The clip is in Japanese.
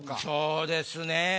そうですね